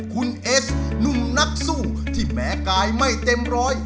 คุณเอสหนุ่มนักสู้ที่แม้กายไม่เต็มร้อย